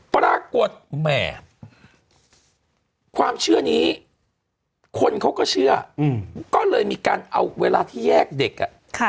แหม่ความเชื่อนี้คนเขาก็เชื่อก็เลยมีการเอาเวลาที่แยกเด็กอ่ะ